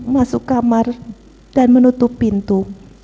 masuk kamar dan menutup pintu